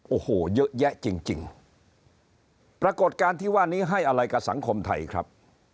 โอ้โหเยอะแยะจริงปรากฏการณ์ที่ว่านี้ให้อะไรกับสังคมไทยครับ